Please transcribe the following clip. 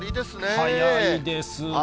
早いですね。